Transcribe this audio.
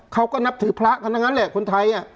เขาก็นับถือพระก็นั้นแหละคนไทยอะ